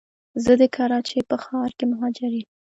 زه د کراچی په ښار کي مهاجر یم